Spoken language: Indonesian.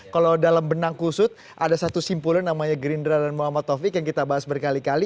kalau dalam benang kusut ada satu simpulnya namanya gerindra dan muhammad taufik yang kita bahas berkali kali